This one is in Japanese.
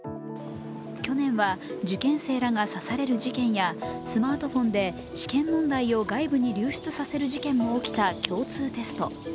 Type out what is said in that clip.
去年は受験生らが刺される事件や、スマートフォンで試験問題を外部に流出させる事件も起きた共通テスト。